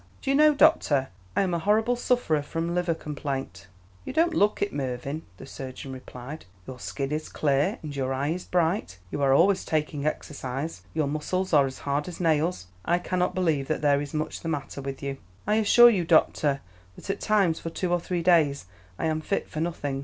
"Do you know, doctor, I am a horrible sufferer from liver complaint?" "You don't look it, Mervyn," the surgeon replied; "your skin is clear, and your eye is bright. You are always taking exercise, your muscles are as hard as nails. I cannot believe that there is much the matter with you." "I assure you, doctor, that at times for two or three days I am fit for nothing.